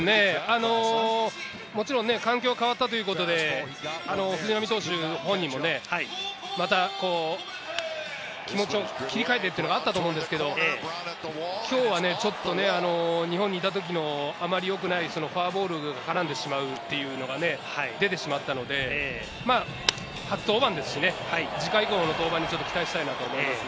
もちろん環境が変わったということで、藤浪投手本人も気持ちを切り替えてというのがあったと思うんですけれど、今日はちょっとね、日本にいた時の、あまりよくないフォアボールが絡んでしまうというのが出てしまったので、初登板ですし、次回以降に期待したいと思います。